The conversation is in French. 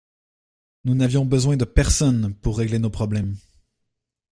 Nous n’avions besoin de personne pour régler nos problèmes.